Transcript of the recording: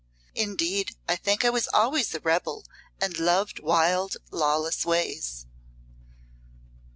Indeed, I think I was always a rebel and loved wild, lawless ways."